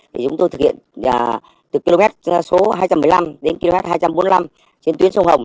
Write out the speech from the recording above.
thì chúng tôi thực hiện từ km số hai trăm một mươi năm đến km hai trăm bốn mươi năm trên tuyến sông hồng